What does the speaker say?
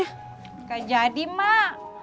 enggak jadi mak